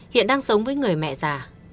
hiện đang sống với người mẹ già